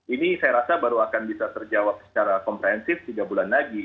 ini saya rasa baru akan bisa terjawab secara komprehensif tiga bulan lagi